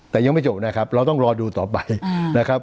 แต่ยังไม่จบนะครับเราต้องรอดูต่อไปนะครับ